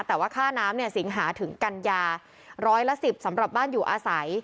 แต่ว่าค่าน้ำเนี่ยสิงหาถึงกันยาร้อยละ๑๐สำหรับบ้านอยู่อาศัย